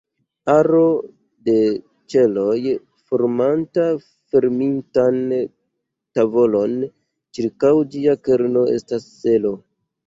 Aro de ĉeloj formanta fermitan tavolon ĉirkaŭ ĝia kerno estas ŝelo.